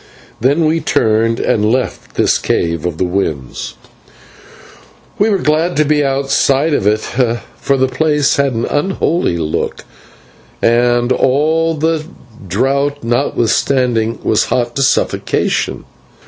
Then we turned and left this cave of the winds and were glad to be outside of it, for the place had an unholy look, and, all the draught notwithstanding, was hot to suffocation.